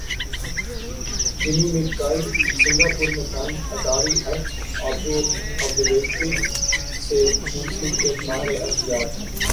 Jamie مک کائی Singapore میں قائم اداری ارتھ آبرو یٹری سی منسلک ایک ماہر ارضیات ہیں۔